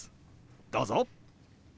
どうぞ！